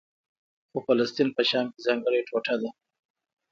خو فلسطین په شام کې ځانګړې ټوټه ده.